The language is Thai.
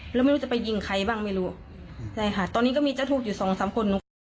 แล้วไม่รู้จะไปยิงใครบ้างไม่รู้ใช่ค่ะตอนนี้ก็มีเจ้าทุกข์อยู่สองสามคนหนูก็